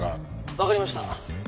分かりました。